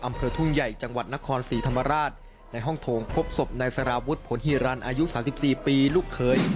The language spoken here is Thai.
อำเภอทุ่งใหญ่จังหวัดนครศรีธรรมราชในห้องโถงพบศพนายสารวุฒิผลฮีรันอายุ๓๔ปีลูกเขย